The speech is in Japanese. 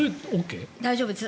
大丈夫です。